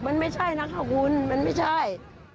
มันไม่ใช่นะคะคุณมันไม่ใช่